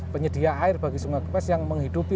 penyedia air bagi sungai kepes yang menghidupi